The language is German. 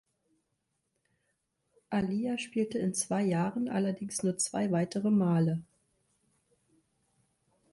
Alija spielte in zwei Jahren allerdings nur zwei weitere Male.